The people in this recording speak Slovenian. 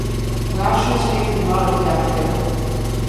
Mračni nasmeh dobi malo prijateljev.